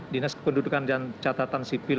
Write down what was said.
dinas kependudukan dan catatan sipil